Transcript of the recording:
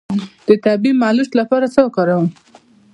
د طبیعي ملچ لپاره څه وکاروم؟